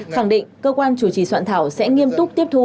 khẳng định cơ quan chủ trì soạn thảo sẽ nghiêm túc tiếp thu